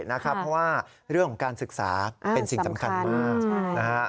เพราะว่าเรื่องของการศึกษาเป็นสิ่งสำคัญมากนะฮะ